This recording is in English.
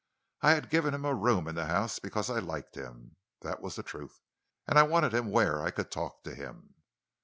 I had given him a room in the house because I liked him (that was the truth), and I wanted him where I could talk to him."